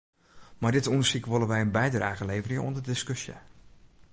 Mei dit ûndersyk wolle wy in bydrage leverje oan de diskusje.